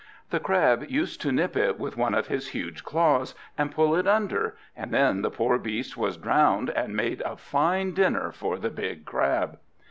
The Crab used to nip it with one of his huge claws and pull it under, and then the poor beast was drowned, and made a fine dinner for the big Crab.